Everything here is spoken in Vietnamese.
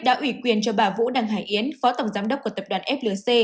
đã ủy quyền cho bà vũ đăng hải yến phó tổng giám đốc của tập đoàn flc